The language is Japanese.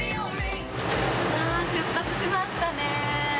出発しましたね。